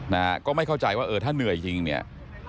นะฮะก็ไม่เข้าใจว่าเออถ้าเหนื่อยยิงเนี่ย